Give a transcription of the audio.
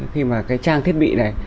khi mà cái trang thiết bị này